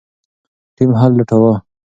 ټیم حل لټاوه.